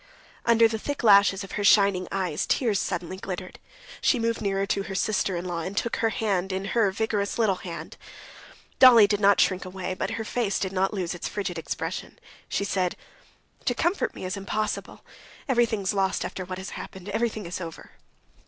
Under the thick lashes of her shining eyes tears suddenly glittered. She moved nearer to her sister in law and took her hand in her vigorous little hand. Dolly did not shrink away, but her face did not lose its frigid expression. She said: "To comfort me's impossible. Everything's lost after what has happened, everything's over!"